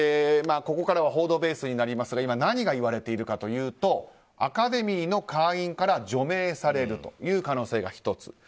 ここからは報道ベースになりますが今、何がいわれているかというとアカデミーの会員から除名されるという可能性が１つ。